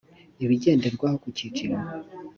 ibigenderwaho ku cyiciro .